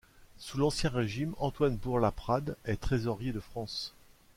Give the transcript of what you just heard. Sous l'Ancien Régime, Antoine Bourg-Laprade est trésorier de France.